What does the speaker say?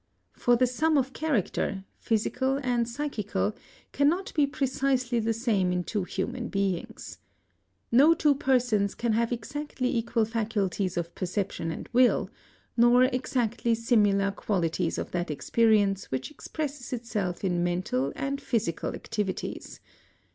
For the sum of character, physical and psychical, cannot be precisely the same in two human beings. No two persons can have exactly equal faculties of perception and will, nor exactly similar qualities of that experience which expresses itself in mental and physical activities.